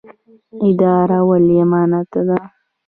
اداره ولې امانت ده؟